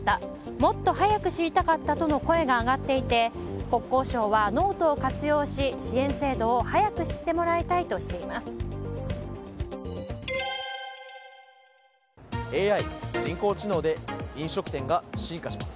もっと早く知りたかったとの声が上がっていて国交省はノートを活用し支援制度を早く知ってもらいたいとしています。